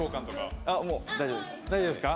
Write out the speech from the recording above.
大丈夫ですか？